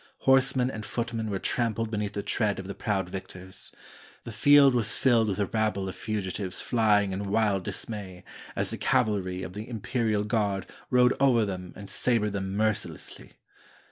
Horsemen and footmen were trampled beneath the tread of the proud victors. The field was filled with a rabble of fugitives flying in wild dismay, as the cavalry of the Im perial Guard rode over them and sabered them merci lessly.